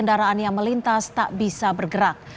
kendaraan yang melintas tak bisa bergerak